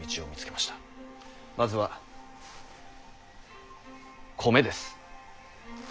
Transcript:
まずは米です。